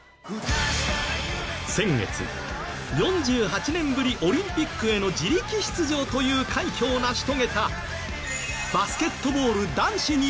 先月４８年ぶりオリンピックへの自力出場という快挙を成し遂げた。